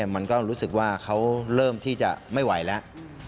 มันก็รู้สึกว่าเขาเริ่มที่จะไม่ไหวแล้ว